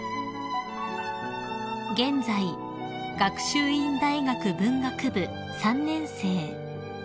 ［現在学習院大学文学部３年生］